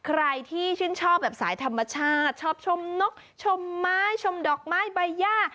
ใครที่ชื่นชอบแบบสายธรรมชาติชอบชมนกชมไม้ชมดอกไม้ใบย่า